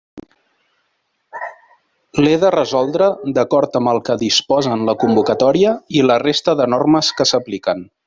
L'he de resoldre d'acord amb el que disposen la convocatòria i la resta de normes que s'apliquen.